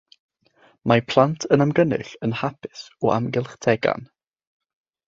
Mae plant yn ymgynnull yn hapus o amgylch tegan.